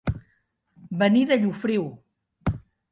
Venir de Llofriu.